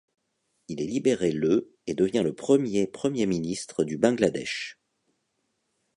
Il est libéré le et devient le premier Premier ministre du Bangladesh.